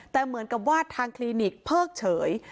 แต่เหมือนกับว่าทางคลินิกเพิกเฉย